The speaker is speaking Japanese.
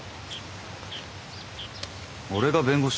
俺が弁護士？